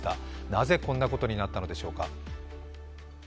なぜこんなことになったのでしょうか。